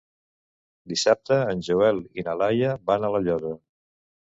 Dissabte en Joel i na Laia van a La Llosa.